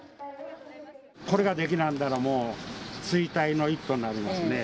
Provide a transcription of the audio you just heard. これができなんだら、もう、衰退の一途になりますね。